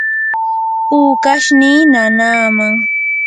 pukashnii nanaaman.